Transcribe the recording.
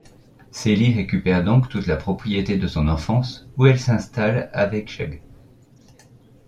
Celie récupère donc toute la propriété de son enfance, où elle s'installe avec Shug.